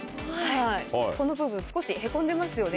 この部分少しへこんでますよね